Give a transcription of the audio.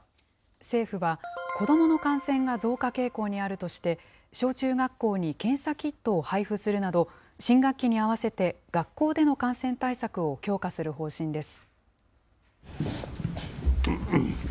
政府は、子どもの感染が増加傾向にあるとして、小中学校に検査キットを配布するなど、新学期に合わせて学校での感染対策を強化する方針です。